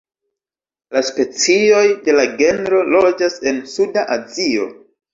La specioj de la genro loĝas en Suda Azio.